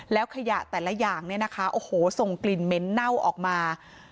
แล้วขยะแต่ละอย่างเนี่ยนะคะโอ้โหส่งกลิ่นเหม็นเน่าออกมา